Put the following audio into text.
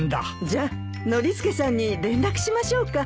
じゃノリスケさんに連絡しましょうか。